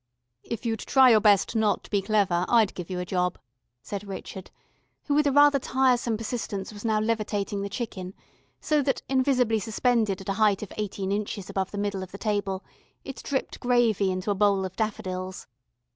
"If you'd try your best not to be clever I'd give you a job," said Richard, who with a rather tiresome persistence was now levitating the chicken, so that, invisibly suspended at a height of eighteen inches above the middle of the table, it dripped gravy into a bowl of daffodils.